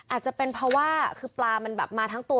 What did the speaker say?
อาจจะเป็นเพราะว่าชลายมาทั้งตัว